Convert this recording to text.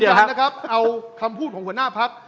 เดี๋ยวนะครับเอาคำพูดของหัวหน้าพักษ์